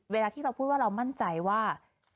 เวลาที่เราพูดว่าเรามั่นใจว่า